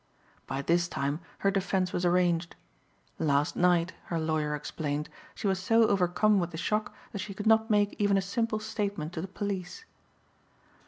By this time her defense was arranged. Last night, her lawyer explained, she was so overcome with the shock that she could not make even a simple statement to the police.